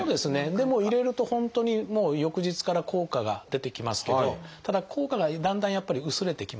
でも入れると本当に翌日から効果が出てきますけどただ効果がだんだんやっぱり薄れてきます。